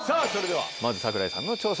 まず櫻井さんの挑戦です。